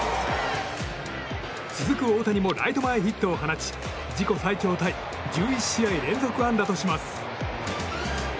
続く大谷もライト前ヒットを放ち自己最長タイ１１試合連続安打とします。